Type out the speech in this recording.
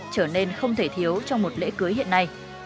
trở nên không thể thiếu trong một lễ cưới hiện nay